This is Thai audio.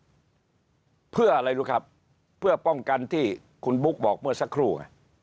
หรือมีดตัดให้ขาดเพื่ออะไรดูครับเพื่อป้องกันที่คุณบุ๊กบอกเมื่อสักครู่